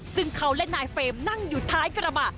ซึ่งเขาและนายเฟรมนั่งอยู่ท้ายกระบะ